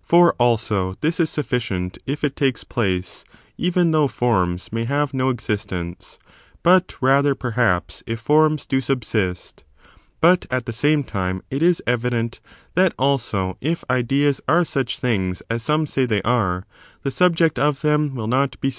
For, also, this is sufficient if it takes place, even though forms may have no existence ; but rather, perhaps, if forms do subsist But, at the same time, it is evident that also if ideas are such things as some say they are, the subject of them will not be.